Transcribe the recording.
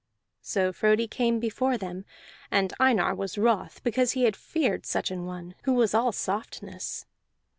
So Frodi came before them, and Einar was wroth because he had feared such an one, who was all softness.